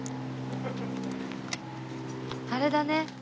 あれだね。